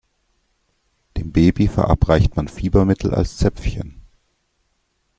Dem Baby verabreicht man Fiebermittel als Zäpfchen.